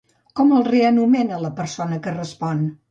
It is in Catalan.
Com el reanomena la persona que respon?